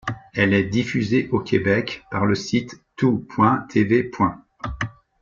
Elle est diffusée au Québec par le site tou.tv.